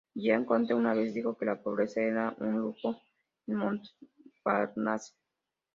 Jean Cocteau una vez dijo que la pobreza era un lujo en Montparnasse.